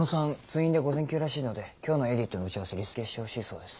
通院で午前休らしいので今日のエイディットの打ち合わせリスケしてほしいそうです。